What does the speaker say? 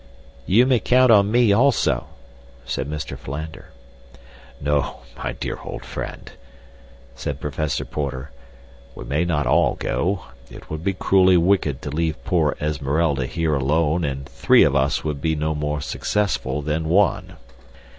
"You may count on me, also," said Mr. Philander. "No, my dear old friend," said Professor Porter. "We may not all go. It would be cruelly wicked to leave poor Esmeralda here alone, and three of us would be no more successful than one.